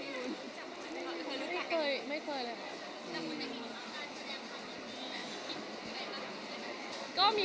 หรือเปล่า